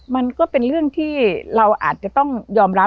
มันก็เป็นเรื่องที่เราอาจจะต้องยอมรับ